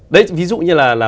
đấy ví dụ như là